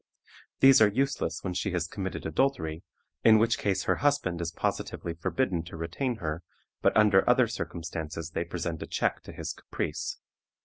These are useless when she has committed adultery, in which case her husband is positively forbidden to retain her, but under other circumstances they present a check to his caprice.